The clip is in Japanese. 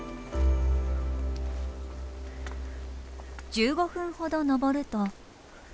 １５分ほど登ると。